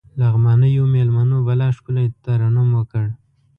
لغمانيو مېلمنو بلا ښکلی ترنم وکړ.